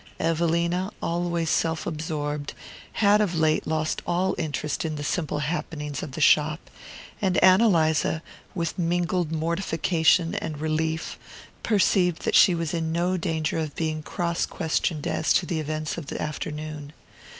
Evelina, always self absorbed, had of late lost all interest in the simple happenings of the shop, and Ann Eliza, with mingled mortification and relief, perceived that she was in no danger of being cross questioned as to the events of the afternoon.